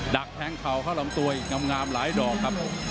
ดักแทงเข่าเข้าลำตัวอีกงามหลายดอกครับ